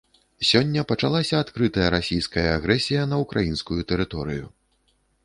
Сёння пачалася адкрытая расійская агрэсія на ўкраінскую тэрыторыю.